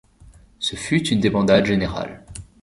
Ce fut une débandade générale.